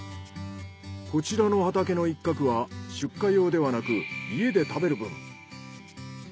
こちらの畑の一角は出荷用ではなく家で食べる分。